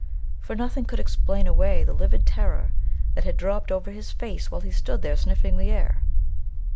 For nothing could explain away the livid terror that had dropped over his face while he stood there sniffing the air.